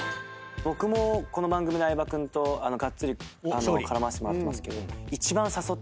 僕もこの番組で相葉君とがっつり絡ませてもらってますけど。